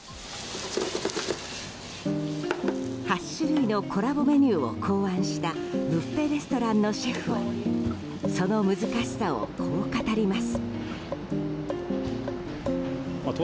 ８種類のコラボメニューを考案したブッフェレストランのシェフはその難しさを、こう語ります。